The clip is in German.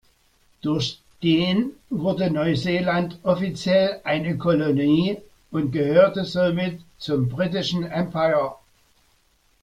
Durch den wurde Neuseeland offiziell eine Kolonie und gehörte somit zum Britischen Empire.